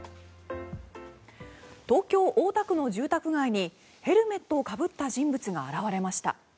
東京・大田区の住宅街にヘルメットをかぶった人物が現れました。